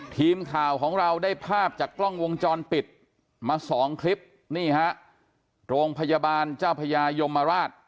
ทีมข่าวของเราได้ภาพจากกล้องวงจรปิดมาสองคลิปนี่ฮะโรงพยาบาลเจ้าพญายมราช